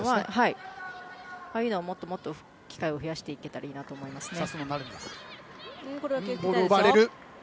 ああいうのをもっと機会を増やしていけたらいいなと思いますね。